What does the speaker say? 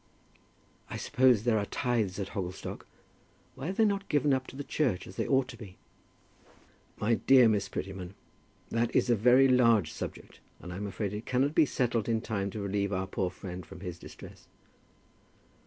"I suppose there are tithes at Hogglestock. Why are they not given up to the church, as they ought to be?" "My dear Miss Prettyman, that is a very large subject, and I am afraid it cannot be settled in time to relieve our poor friend from his distress."